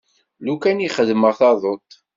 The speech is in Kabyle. Lukan i xeddmeɣ taḍuṭ.